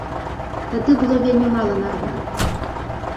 Тады было вельмі мала народу.